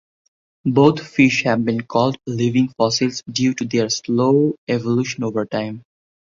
Both fish have been called "living fossils" due to their slow evolution over time.